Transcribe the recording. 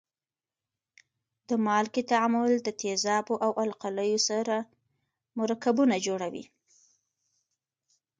د مالګې تعامل د تیزابو او القلیو سره مرکبونه جوړوي.